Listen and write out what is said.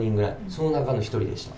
その中の１人でした。